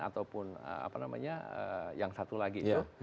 ataupun yang satu lagi itu